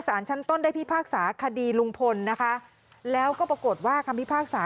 สารชั้นต้นได้พิพากษาคดีลุงพลนะคะแล้วก็ปรากฏว่าคำพิพากษา